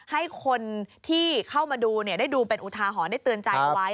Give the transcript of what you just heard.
ให้คนที่เข้ามาดูได้ดูเป็นอุทาหรณ์ได้เตือนใจเอาไว้